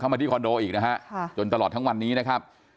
มาที่คอนโดอีกนะฮะจนตลอดทั้งวันนี้นะครับ